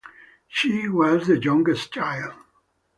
She was the youngest child.